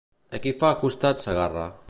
A qui fa costat Segarra?